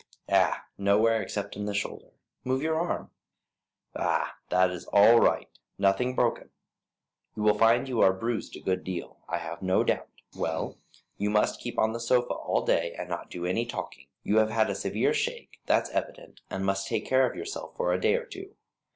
"Ah, nowhere except in the shoulder. Move your arm. Ah, that is all right, nothing broken. You will find you are bruised a good deal, I have no doubt. Well, you must keep on the sofa all day, and not do any talking. You have had a severe shake, that's evident, and must take care of yourself for a day or two.